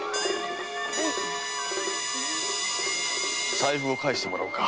財布を返してもらおうか。